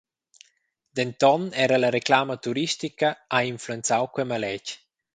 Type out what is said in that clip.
Denton era la reclama turistica ha influenzau quei maletg.